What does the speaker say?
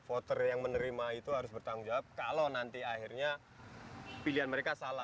voter yang menerima itu harus bertanggung jawab kalau nanti akhirnya pilihan mereka salah